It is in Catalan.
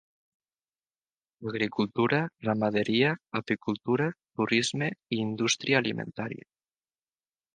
Agricultura, ramaderia, apicultura, turisme i indústria alimentària.